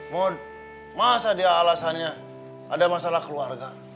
mod masa dia alasannya ada masalah keluarga